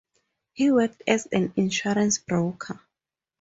He worked as an insurance broker.